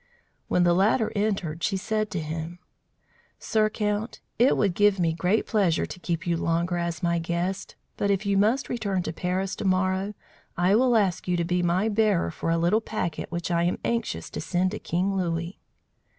When the latter entered, she said to him: "Sir Count, it would give me great pleasure to keep you longer as my guest, but if you must return to Paris tomorrow, I will ask you to be my bearer for a little packet which I am anxious to send to King Louis."